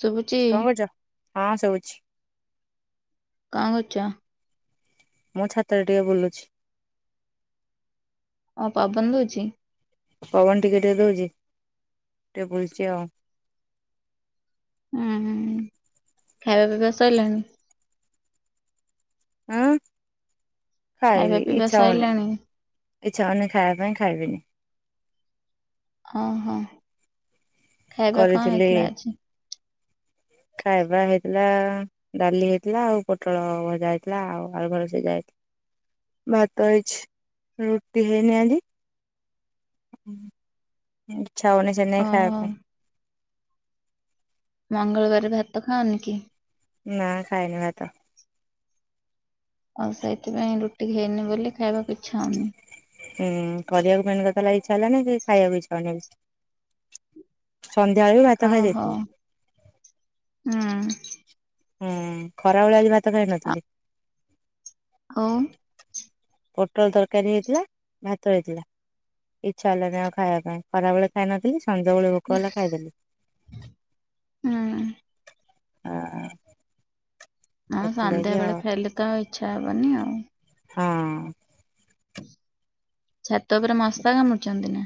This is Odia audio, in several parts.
ଶୁଭୁଚି କଣ କହୁଁଛ ହଁ ସୁବୁଛି। କଣ କରୁଛ? ମୁଁ ଛାତରେ ଟିକେ ବୁଲୁଛି। ଅ ପବନ୍ ଦଉଚି? ପବନ୍ ଟିକେ ଟିକେ ଦଉଛି ଟିକେ ବୁଲୁଚି ଆଉଁ। ଉଁ ହୁଁ ହୁଁ ଖାଇବା ପିଇବା ସରିଲାଣି? ହୁଁ ଖାଇବା ଖାଇଲି ପିଇବା ଇଛା ହଉନି। ସଇଲାଣି? ଇଛାହଉନି ଖାଇବା ପାଇଁ ଖାଇବିନି। ଅ ହଁ। କରିଥିଲି। [inaudible] ଖାଇବା ହେଇଥିଲା ଆ ଡାଲି ହେଇଥିଲା, ଆଉ ପୋଟଳ ଭଜା ହେଇଥିଲା, ଆଉ ଆଳୁ ଫାଳୁ ସିଝା ହେଇଥିଲା। ଭାତ ହେଇଛି ରୁଟି ହେଇନି ଆଜି। ଇଛାହଉନି ସେଇଥିଲାଗି ଓହୋ ଖାଇବା ପାଇଁ। ମଙ୍ଗଳବାର ଭାତ ଖାଅନି କି? ନାଁ ଖାଏନି ଭାତ। ଆଉ ସେଇଥିପାଇଁ ରୁଟି ହେଇନି ବୋଲି ଖାଇବାକୁ ଇଛାହଉନି। ହୁଁ କରିବାକୁ ମେନ୍ କଥା ଇଛା ହେଲାନି କି ଖାଇବାକୁ ଇଛା ହେଲାନି। ସନ୍ଧ୍ୟାବେଳୁ ଓହୋ ହୁଁ। ହୁଁ ଖରାବେଳେ ଆଜି ଭାତ ଖାଇ ନଥିଲି। ହଉ। ପୋଟଳ ତରକାରୀ ହେଇଥିଲା ଭାତ ହେଇଥିଲା। ଇଛା ହେଲାନି ଆଉ ଖାଇବା ପାଇଁ ଖରାବେଳେ ଖାଇ ନଥିଲି। ସଞବଳେ ଭୋକ ହେଲା ଖାଇଦେଲି ହ। ହଁ ସନ୍ଧ୍ୟାବେେଳେ ଆଉ ଖାଇଲେ ତ ଆଉ ଇଚ୍ଛା ହବନି ଆଉ। ହୁଁ। ଛାତ ଉପରେ ମସା କାମୁଡଛନ୍ତି ନା?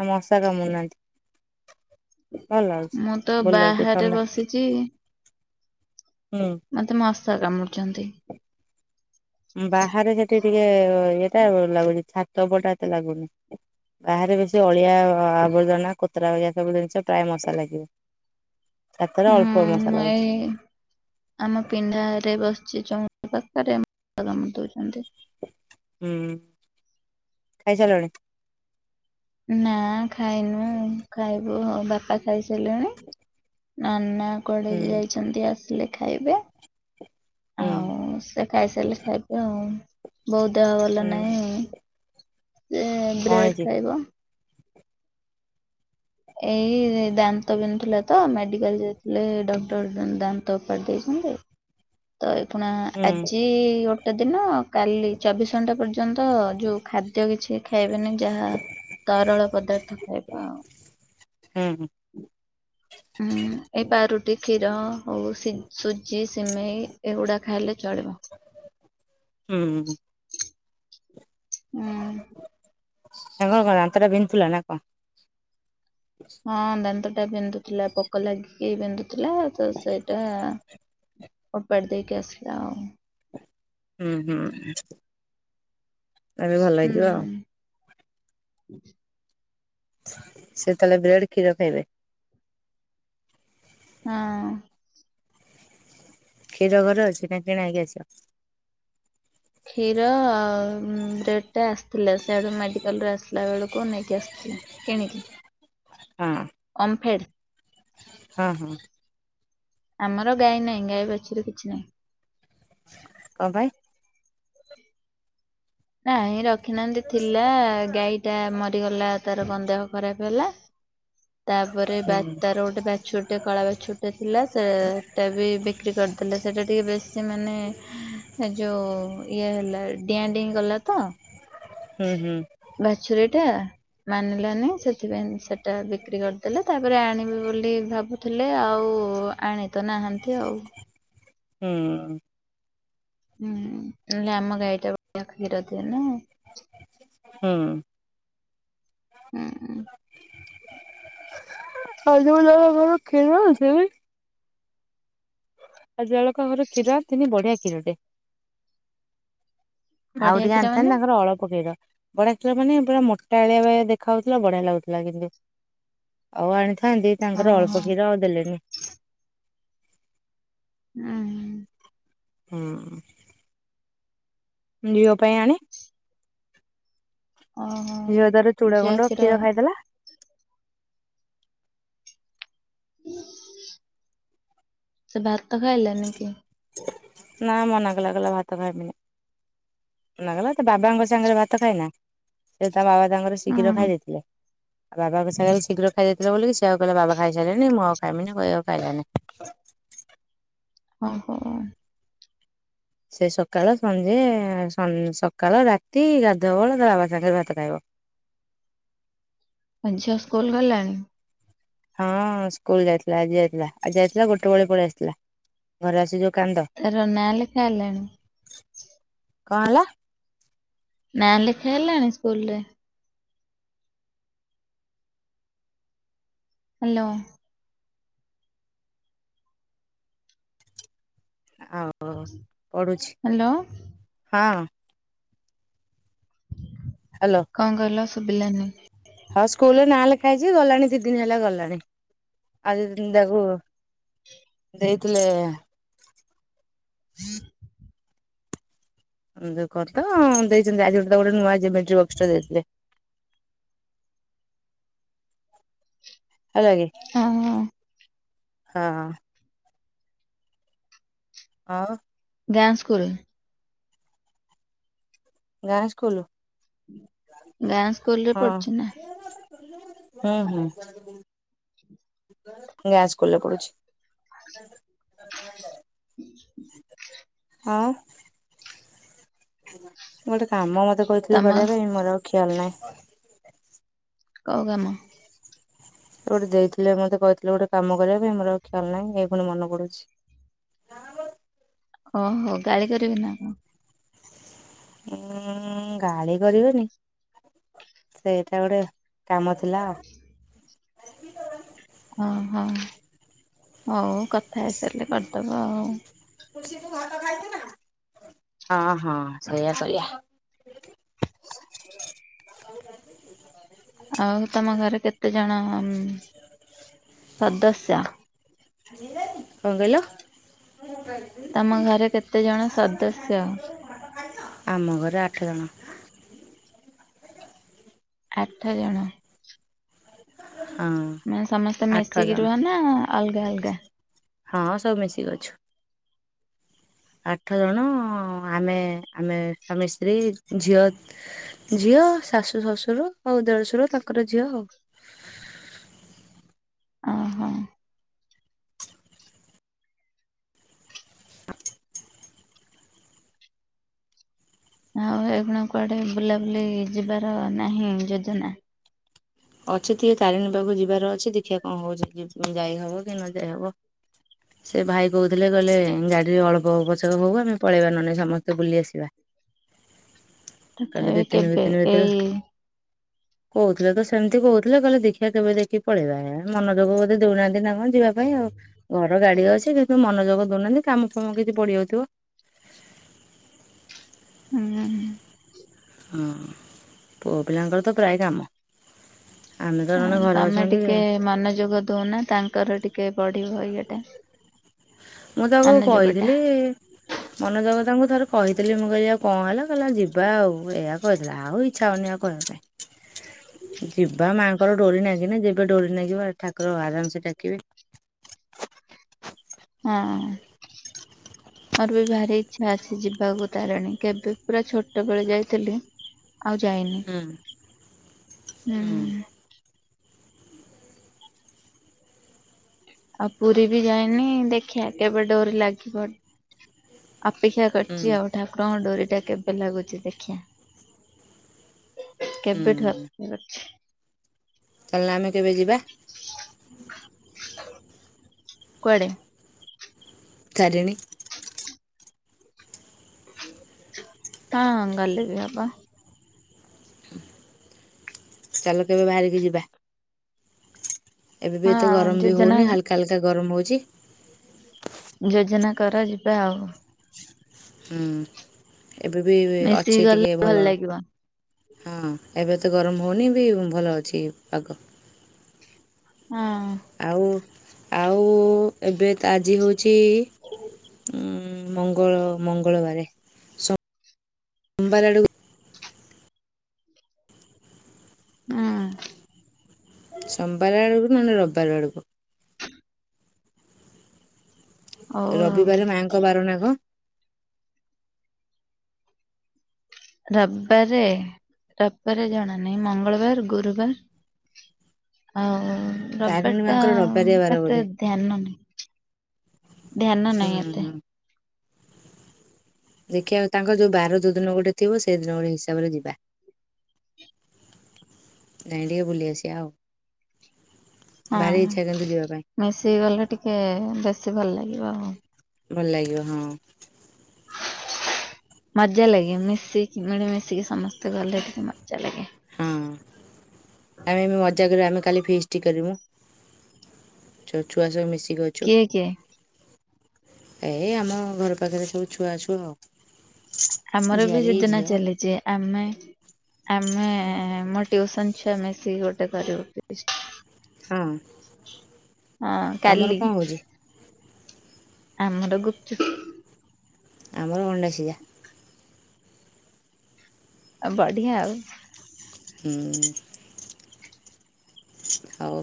ନା ମଶା କମୁଡ଼ୁ ନାହାନ୍ତି, ଭଲ ଲାଗୁଛି ଭୁଲ ଲାଗୁଛି ଥଣ୍ଡା ଚି ହୁଁ। ମତେ ମଶା କାମୁଡିଛନ୍ତି। ବାହାରେ ସେଠି ଟିକେ ଇଟା ଲାଗୁଛି ଛାତ ଉପର ଟା ଏତେ ଲାଗୁନି। ବାହାରେ ବେଶି ଅଳିଆ ଆ ଆବର୍ଜନା କୋତରା ଭଳିଆ ସବୁ ଜିନିଷ ପ୍ରାୟ ମଶା ଲାଗିବ। ଛାତରେ ଅଳ୍ପ ମଶା ହୁଁ ଲାଗୁଛି ଏଇ ଆମ ପିଣ୍ଡାରେ ବସିଛି ଚଉଁରା ପାଖରେ ମଶା କାମୁଡ଼ି ଦଉଛନ୍ତି। ହୁଁ ଖାଇସାଇଲଣି? ନା ଖାଇନୁ ଖାଇବୁ ହଉ ବାପା ଖାଇସାରିଲେଣି। ନନା କୁଆଡେ ହୁଁ ଯାଇଛନ୍ତି ଆସିଲେ ଖାଇବେ। ଉଁ। ଆଉ ସେ ଖାଇସାରିଲେ ଖାଇବି ଆଉ। ବୋଉ ଦେହ ଭଲ ହୁଁ। ନାହିଁ। ସେ କଣ ବ୍ରେଡ଼ ହେଇଛି ଖାଇବ। ଏଇ ଦାନ୍ତ ବିନ୍ଧୁ ଥିଲା ତ ମେଡିକାଲ୍ ଯାଇଥିଲେ ଡକ୍ଟର ଦା ଦାନ୍ ତ କରିଦେଇଛନ୍ତି ତ ଏଇକ୍ଷୁଣା ହୁଁ ଆଜି ଗ ଗୋଟେ ଦିନ କାଲି ଚବିଶ ଘଣ୍ଟା ପର୍ଯ୍ୟନ୍ତ ଯୋଉ ଖାଦ୍ୟ କିଛି ଖାଇବେନି ଯାହା ତରଳ ପଦାର୍ଥ ଖାଇବ ଆଉ। ହୁଁ। [inaudible] ଉଁ ଏଇ ପାରୁଟି କ୍ଷୀର ହଉ ସି ସୁଜି ସିମେଇ ଏଇଗୁଡ଼ା ଖାଇଲେ ଚଳିବ। ହୁଁଁ। ହୁଁ। ତାଙ୍କର କଣ ଦାନ୍ତଟା ବିନ୍ଧୁଥିଲା ନା କଣ? ହଁ ଦାନ୍ତ ଟା ବିନ୍ଧୁଥିଲା ପୋକ ଲାଗିକି ବିନ୍ଧୁଥିଲା ତ ସେଇଟା ଓପାଡ଼ି ଦେଇକି ଆସିଲା ଆଉ। ହୁଁ ହୁଁ ଏବେ ଭଲ ହେଇଯିବ ଆଉ। ହୁଁ ସେ ତାହେଲେ ବ୍ରେଡ୍ କ୍ଷୀର ଖାଇବେ? ହଁ। କ୍ଷୀର ଘରେ ଅଛି ନା କିଣା ହେଇକି ଆସିବ? କ୍ଷୀର ରେଟ୍ ଟା ଆସି ଥିଲା ସିଆଡୁ ମେଡିକାଲରୁ ଆସିଲା ବେଳକୁ ନେଇକି ଆସିଥିଲି କିଣିକି। ହଁ। ଓମ୍ଫେଡ଼୍? ହଁ ହଁ। ଆମର ଗାଈ ନାହିଁ ଗାଈ, ବାଛୁରି କିଛି ନାହିଁ। କଣ ପାଇଁ? ନାହିଁ ରଖିନାହାନ୍ତି ଥିଲା ଗାଈ ଟା ମରିଗଲା। ତାର କଣ ଦେହ ଖରାପ ହେଲା ତାପରେ ହୁଁ ବା ତାର ଗୋଟେ ବା ଛୋଟ କଳା ବାଛୁରୀ ଟେ ଥିଲା ସେ ଟା ବି ବିକ୍ରି କରିଦେଲେ ସେଟା ଟିକେ ବେଶୀ ମାନେ ଏ ଯୋଉ ଇଏ ହେଲା ଡିଆଁ ଡେଇଁ ଗଲା ତ। ହୁଁ ହୁଁ। ବାଛୁରୀ ଟା? ମାନିଲାନି ସେଥିପାଇଁ ସେଟା ବିକ୍ରି କରିଦେଲେ ତାପରେ ଆଣିବେ ବୋଲି ଭାବୁ ଥିଲେ ଆଉ ଆଣି ତ ନାହାନ୍ତି ଆଉ। ହୁଁ। ହୁଁ ନହେଲେ ଆମ ଗାଈ ଟା ବଢିଆ କ୍ଷୀର ଦିଏ ନା। ହୁଁ। ହୁଁ [unintelligible] ଆଉ ଜଳକ ଆମର କ୍ଷୀର ଆସିନି ବଢ଼ିଆ କ୍ଷୀରଟେ। ଆଉ ବଢିଆ ଟିକେ କ୍ଷୀର ଆଣିଥାନ୍ତି ମାନେ ତାଙ୍କର ଅଳପ କ୍ଷୀର। ବଢ଼ିଆ ଥିଲା ମାନେ ପୁରା ମୋଟାଳିଆ ଭଳିଆ ଦେଖା ହଉଥିଲା ବଢ଼ିଆ ଲାଗୁଥିଲା କିନ୍ତି। ଆଉ ଆଣିଥାନ୍ତି ତାଙ୍କର ଓହୋ ଅଳ୍ପ କ୍ଷୀର ଆଉ ଦେଲେନି। ଉ ହୁଁ। ହୁଁ। ଝିଅ ପାଇଁ ଆଣେ। ଓହୋ ଝିଅତାର ଚୁଡ଼ା ଗୁଣ୍ଡ କ୍ଷୀର ଖାଇଦେଲା। ସେ ଭାତ ଖାଇଲାନି କି? ନା ମନା କଲା କହିଲା ଭାତ ଖାଇମିନି। ମନାକଲା ତା ବାବାଙ୍କ ସାଙ୍ଗରେ ଭାତ ଖାଏନା ସେ ତା ବାବା ତାଙ୍କର ଶୀଘ୍ର ହୁଁ ଖାଇ ଦେଇଥିଲେ। ଆ ବାବାଙ୍କ ସାଙ୍ଗରେ ଶୀଘ୍ର ଖାଇ ଦେଇଥିଲେ ବୋଲି କିି ଆଉ କହିଲା ବାବା ଖାଇସାଇଲେଣି ମୁ ଆଉ ଖାଇମିନି କହିକି ଆଉ ଖାଇଲାନି। ହଁ ହୋ। ସେ ସକାଳ ସଞ୍ଜେ ସ ସକାଳ ରାତି ଗାଧୁଆ ବଳ ତା ବାବାଙ୍କ ସାଙ୍ଗରେ ଭାତ ଖାଇବ। ତମ ଝିଅ ସ୍କୁଲ୍ ଗଲାଣି? ହୁଁ ସ୍କୁଲ୍ ଯାଇଥିଲା ଆଜି ଯାଇଥିଲା ଆଜି ଯାଇଥିଲା ଗୋଟେ ବେଳେ ପଳେଇ ଆସିଥିଲା ଘରେ ଆସି ଯଉ କାନ୍ଦ। ତାର ନା ଲେଖା ହେଲାଣି? କଣ ହେଲା? ନା ଲେଖା ହେଲାଣି ସ୍କୁଲ୍ ରେ। ହାଲୋ। ଆଉ ପଢ଼ୁଛି ହ୍ୟାଲୋ ହଁ। ହାଲୋ। କଣ କହିଲ ଶୁଭିଲାନି? ହଁ ସ୍କୁଲ୍ ରେ ନାଁ ଲେଖା ହେଇଛି ଗଲାଣି ଦି ଦିନି ହେଲା ଗଲାଣି ଆଉ ଦି ଦିନି ତାକୁ। ଦେଇଥିଲେ ଯୋଉ କଣ ତ ଦେଇଛନ୍ତି ଆଜି ଗୋଟେ ତାକୁ ଗୋଟେ ନୂଆ ଜେମେଟ୍ରି ବକ୍ସ୍ ଟେ ଦେଇଥିଲେ। ହେଲାକି ଓହୋ ହଁ। ଆଉ। ଗାଁ ସ୍କୁଲ। ଗାଁ ସ୍କୁଲ୍ ଗାଁ ସ୍କୁଲ ରେ ହଁ। ପଢୁଛି ନା ହୁଁ ହୁଁ ଗାଁ ସ୍କୁଲ୍ ରେ ପଢ଼ୁଛି। ଆଉ। ଗୋଟେ କାମ ମତେ କହିଥିଲେ ତମ କରିବା ପରିବା ପାଇଁ ମୋର ଆଉ ଖିଆଲ୍ ନାହିଁ। କଉ କାମ? ଗୋଟେ ଦେଇଥିଲେ ମତେ କହିଥିଲେ ଗୋଟେ କାମ କରିବା ପାଇଁ ମୋର ଆଉ ଖିଆଲ୍ ନାହିଁ ଏଇ ପୁଣି ମନ ପଡୁଛି। ଓହୋ ଗାଳି କରିବେ ନା କଣ? ଉଁ ଗାଳି କରିବେନି। ସେଇଟା ଗୋଟେ କାମ ଥିଲା। ଓ ହଁ ହଉ କଥା ହେଇସାରିଲେ କରିଦବ ଆଉ। ହଁ ହଁ ସେଇଆ କରିବା। ଆଉ ତମ ଘରେ କେତେ ଜଣ ସଦସ୍ୟ? [unintelligible] କଣ କହିଲ? ତମ ଘରେ କେତେ ଜଣ ସଦସ୍ୟ? [unintelligible] ଆମ ଘରେ ଆଠ ଜଣ। ଆଠ ଜଣ ହଁ ମାନେ ସମସ୍ତେ ଆଠ ମିଶିକି ଜଣ ରୁହ ନା ଅଲଗା ଅଲଗା ହଁ ସବୁ ମିଶିକି ଅଛୁ ଆଠ ଜଣ ଆମେ ଆମେ ସ୍ୱାମୀ ସ୍ତ୍ରୀ ଝିଅ ଝିଅ ଶାଶୁ ଶଶୁର ଆଉ ଦେଢ଼ଶୁର ତାଙ୍କର ଝିଅ ଆଉ ଓହୋ ଆଉ ଏଖୁଣା କୁଆଡେ ବୁଲାବୁଲି ଯିବାର ନାହିଁ ଯୋଜନା ଅଛି ଟିକେ ତାରିଣୀ ପାଖକୁ ଯିବାର ଅଛି ଦେଖିବା କଣ ହଉଛି ଯାଇହବ କି ନ ଯାଇହବ ହ [inaudible] ସେ ଭାଇ କହୁଥିଲେ କହିଲେ ଗାଡ଼ିରେ ଅଳ୍ପ ପଛକେ ହଉ ଆମେ ପଳେଇବା ନଲେ ସମସ୍ତେ ବୁଲି ଆସିବା କହିଲେ ଦି ତଥାପି ତିନି ଦି କେବେ ତିନି ଭିତରେ ଏଇ କହୁଥିଲେ ତ ସେ ସେମିତି କହୁଥିଲେ କହିଲେ ଦେଖିବା କେବେ ଦେଖି ପଳେଇବା ଏ ମନୋଯୋଗ ବୋଧେ ଦଉନାହାନ୍ତି ନା କଣ ଯିବା ପାଇଁ ଆଉ ଘର ଗାଡି ଅଛି କିନ୍ତୁ ମନୋଯୋଗ ଦଉନାହାନ୍ତି କାମ ଫାମ କିଛି ପଡିଯାଉଥିବ ହୁଁ ହଁ ପୁଅ ପିଲାଙ୍କର ତ ପ୍ରାୟ କାମ ଆମେ ତ ହ ଜଣେ ଘରେ ତମେ ଅଛନ୍ତି ଟିକେ ମନଯୋଗ ଦଉନା ତାଙ୍କର ଟିକେ ବଢିବ ଇଏଟା ମୁଁ ତାକୁ କହିଥିଲି ହଁ ମନୋଜଗ ତାଙ୍କୁ ଥରେ କହିଥିଲି ମୁଁ କହିଲି ଆଉ କଣ ହେଲା କହିଲା ଯିବା ଆଉ ଏହା କହି ଦେଲା ଆଉ ଇଚ୍ଛା ହଉନି ଏହା କହିବା ପାଇଁ ଯିବା ମାଆଙ୍କର ଡୋରି ନାଗିନି ଯେବେ ଡୋରି ନାଗିବ ଠାକୁର ଆରାମସେ ଡାକିବେ ହଁ ମୋର ବି ଭାରି ଇଚ୍ଛା ଅଛି ଯିବାକୁ ତାରିଣୀ କେବେ ପୁରା ଛୋଟ ବେଳେ ଯାଇଥିଲି ଆଉ ଯାଇନି ହୁଁ ହୁଁ ଆଉ ପୁରୀ ବି ଯାଇନି ଦେଖିବା କେବେ ଡୋରି ଲାଗିବ ଅପେକ୍ଷା ହୁଁ କରିଛି ଆଉ ଠାକୁରଙ୍କ ଡୋରି ଟା କେବେ ଲାଗୁଛି ଦେଖିଆ କେବେଠୁ ଆ ହୁଁ କରିଛି ତାହେଲେ ଆମେ କେବେ ଯିବା କୁଆଡେ? ତାରିଣୀ ଆ [inaudible] ହଁ ଗଲେ ବି ହବ ଚାଲ କେବେ ବାହାରିକି ଯିବା ଏବେ ବି ହଁ ଏତେ ଗରମ ବି ଯୋଜନା ହଉନି ହାଲକା ହାଲକା ଗରମ ହଉଛି ଯୋଜନା କର ଯିବା ଆଉ ହୁଁ ଏବେ ବି ମିଶିକି ଅଛି ଗଲେ ଟିକେ ଭଲ ଲାଗିବ ହଁ ଏବେ ତ ଗରମ ହଉନି ବି ଭଲ ଅଛି ପାଗ ହଁ ଆଉ ଆଉ ଏବେ ତ ଆଜି ହଉଛି ଉ ମଙ୍ଗଳ ମଙ୍ଗଳବାରେ ସୋମବାର ଆଡ଼କୁ ହଁ ସୋମବାର ଆଡ଼କୁ ନହେଲେ ରବିବାର ଆଡକୁ ହଉ ଆଉ ରବିବାର ମାଙ୍କ ବାର ନା କଣ ରବାରେ ରବିବାରେ ଜଣା ନାହିଁ ମଙ୍ଗଳବାର ଗୁରୁବାର ଆଉଁ ଉଁ ଉଁ ଉଁ ତାରିଣୀ ରବାରଟା ମାଆଙ୍କର ଉଁ ରବିବାରିଆ ବାର ଏତେ ବୋଧେ ଧ୍ୟାନ ନାଇଁ ଧ୍ୟାନ ହୁଁ ନାଇଁ ଏତେ। ହୁଁ ଦେଖିବା ତାଙ୍କ ଯୋଉ ବାର ଯୋଉ ଦିନ ଗୋଟେ ଥିବ ସେଇ ଦିନ ଗୋଟେ ହିସାବରେ ଯିବା। ଯାଇଁକି ଟିକେ ବୁଲି ଆସିବା ଆଉ। ହଁ ଭାରି ଇଚ୍ଛା କିନ୍ତୁ ଯିବା ପାଇଁ ମିଶିକି ଗଲେ ଟିକେ ବେଶୀ ଭଲ ଲାଗିବ ଆଉ। ଭଲ ଲାଗିବ ହଁ। ମଜା ଲାଗେ ମିଶିକି ମିଳିମିଶିକି ସମସ୍ତେ ଗଲେ ଟିକେ ମଜା ଲାଗେ। ହଁ ଆମେ ବି ମଜା କରିବୁ ଆମେ କାଲି ଫିଷ୍ଟି କରିବୁଁ। ଛୁ ଛୁଆ ସବୁ ମିଶିକି ଅ କିଏ କିଏ? ଏଇ ଆମ ଘର ପାଖେ ରେ ସବୁ ଛୁଆ ଅଛୁ ଆଉ। ଆମର ବି ଝିଆରୀ ଯୋଜନା ଝିଅ ଚାଲିଚି। ଆମେ ଆମେ ଏ ଏ ଏ ମୋ ଟିଉସନ ଛୁଆ ମିଶିକି ଗୋଟେ କରିବୁ ଫିଷ୍ଟ। ହୁଁ। ହଁ କାଲି। ଆମର ଗୁପଚୁପ ଆମର ଅଣ୍ଡା ସିଝା। ଆଁ ବଢିଆ ଆଉ। ହୁଁ। ହଉ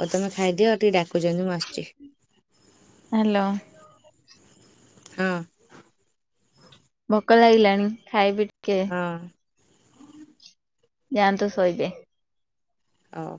ହଉ ତମେ ଖାଇଦିଅ ଟିକେ ଡାକୁଚନ୍ତି ମୁଁ ଆ ହାଲୋ। ହଁ। ଭୋକ ଲାଗିଲାଣି ଖାଇବି ଟିକେ। ହଁ। ଯାଆନ୍ତୁ ଶୋଇବେ? ହଉ।